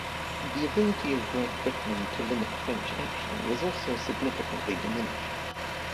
The ability of Great Britain to limit French action was also significantly diminished.